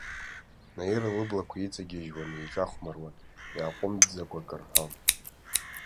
Наира лыблақәа иҵагьежьуан, иҿахәмаруан, иааҟәымҵӡакәа акы рҳәон.